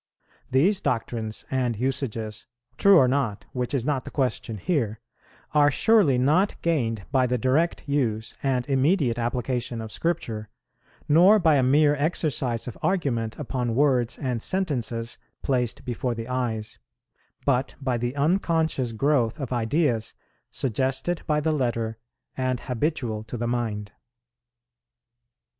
These doctrines and usages, true or not, which is not the question here, are surely not gained by the direct use and immediate application of Scripture, nor by a mere exercise of argument upon words and sentences placed before the eyes, but by the unconscious growth of ideas suggested by the letter and habitual to the mind.